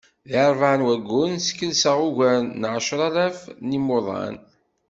Di rebɛa n wugguren, skelsen ugar n ɛecralaf n yimuḍan.